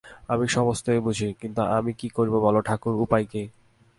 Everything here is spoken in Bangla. আমি সমস্তই বুঝি–কিন্তু আমি কী করিব বলো ঠাকুর, উপায় কী?